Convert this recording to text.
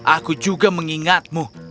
aku juga mengingatmu